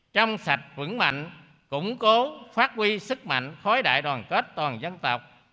trong sạch vững mạnh củng cố phát huy sức mạnh khối đại đoàn kết toàn dân tộc